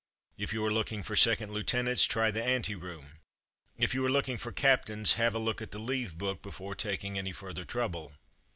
If you are looking for second lieutenants, try the ante room. If you are looking for captains, have a look at the leave book before taking any further trouble.